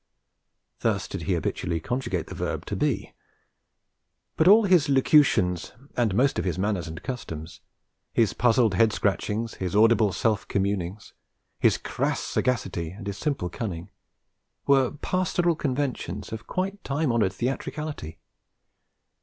Thus did he habitually conjugate the verb to be; but all his locutions and most of his manners and customs, his puzzled head scratchings, his audible self communings, his crass sagacity and his simple cunning, were pastoral conventions of quite time honoured theatricality.